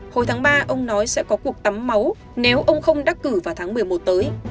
hồi tháng ba ông nói sẽ có cuộc tắm máu nếu ông không đắc cử vào tháng một mươi một tới